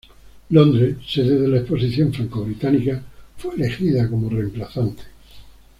Londres, sede de la Exposición Franco-Británica, fue elegida como reemplazante.